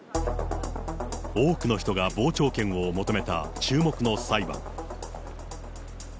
多くの人が傍聴券を求めた注目の裁判。